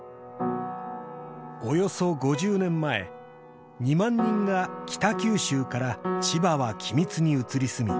およそ５０年前２万人が北九州から千葉は君津に移り住み